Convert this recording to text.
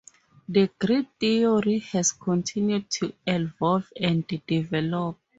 The grid theory has continued to evolve and develop.